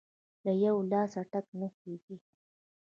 له يوه لاسه ټک نه خیژي!.